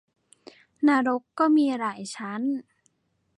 นรกก็มีหลายชั้น